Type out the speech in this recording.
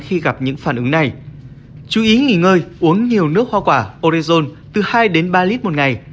khi gặp những phản ứng này chú ý nghỉ ngơi uống nhiều nước hoa quả orezone từ hai đến ba lít một ngày